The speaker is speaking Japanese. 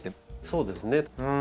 そうですね。